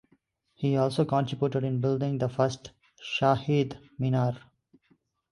He also contributed in building the first Shaheed Minar.